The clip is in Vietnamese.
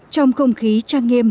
trong không khí trang nghiêm